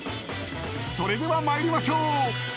［それでは参りましょう］